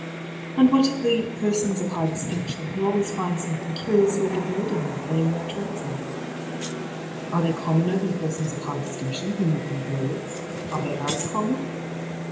And what of the ëpersons of high distinction who always find something curiously degrading in paying their tradesmení? Are they commoner than persons of high distinction who meet their bills? Are they as common?